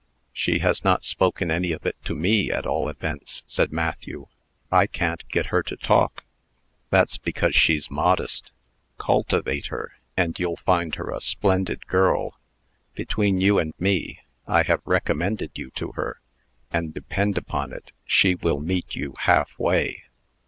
"She has not spoken any of it to me, at all events," said Matthew. "I can't get her to talk." "That's because she's modest. Cultivate her, and you'll find her a splendid girl. Between you and me, I have recommended you to her, and, depend upon it, she will meet you halfway."